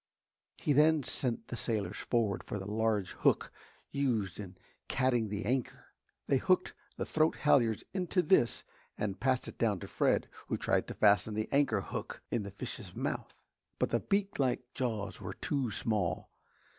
He then sent the sailors forward for the large hook used in catting the anchor. They hooked the throat halliards into this and passed it down to Fred who tried to fasten the anchor hook in the fish's mouth. But the beak like jaws were too small.